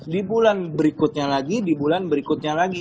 di bulan berikutnya lagi di bulan berikutnya lagi